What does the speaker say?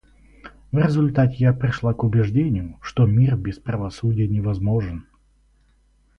В результате я пришла к убеждению, что мир без правосудия невозможен.